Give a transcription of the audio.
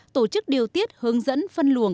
tổ chức điều tiết hướng dẫn phân luồng